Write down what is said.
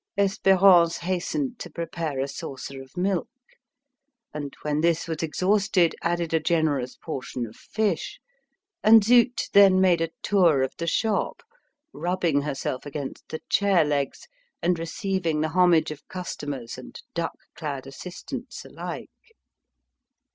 Espérance hastened to prepare a saucer of milk, and, when this was exhausted, added a generous portion of fish, and Zut then made a tour of the shop, rubbing herself against the chair legs, and receiving the homage of customers and duck clad assistants alike.